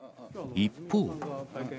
一方。